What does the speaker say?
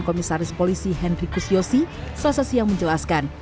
komisaris polisi hendrikus yosi selasa siang menjelaskan